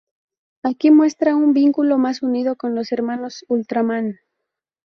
Aquí muestra un vínculo más unido con los Hermanos Ultraman.